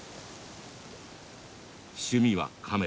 趣味はカメラ。